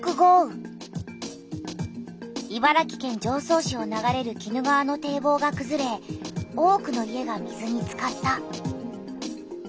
茨城県常総市を流れる鬼怒川の堤防がくずれ多くの家が水につかった。